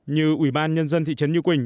như ủy ban nhân dân thị trấn như quỳnh